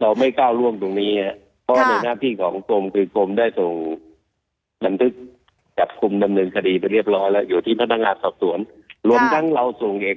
ฐานร่วมกันถึงไม่ได้ยิงเองก็อยู่ในฐานร่วมกันนะ